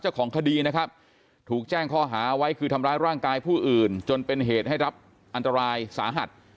เจ้าของคดีนะครับถูกแจ้งข้อหาไว้คือทำร้ายร่างกายผู้อื่นจนเป็นเหตุให้รับอันตรายสาหัส